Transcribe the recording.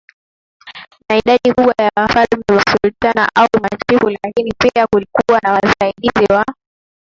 na idadi kubwa ya Wafalme Masultani au Machifu lakini pia kulikuwa na wasaidizi wa